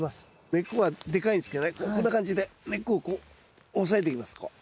根っこがでかいんですけどねこんな感じで根っこをこう押さえていきますこう。